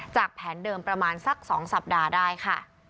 แผนเดิมประมาณสัก๒สัปดาห์ได้ค่ะ